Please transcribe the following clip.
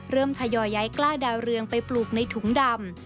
ทยอยย้ายกล้าดาวเรืองไปปลูกในถุงดำ